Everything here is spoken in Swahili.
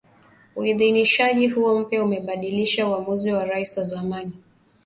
Uidhinishaji huo mpya unabadilisha uamuzi wa Rais wa zamani